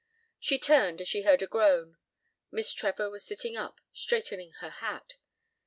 She turned as she heard a groan. Miss Trevor was sitting up, straightening her hat.